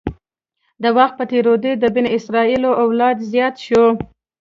د وخت په تېرېدو د بني اسرایلو اولاد زیات شو.